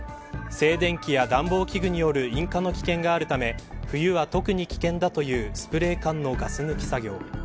静電気や暖房器具による引火の危険があるため冬は特に危険だというスプレー缶のガス抜き作業。